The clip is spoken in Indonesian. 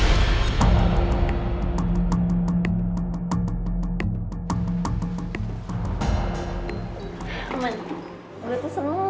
gue tuh seneng banget